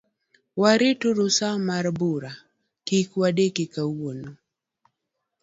Warituru sa mar bura, kik wadeki kawuono.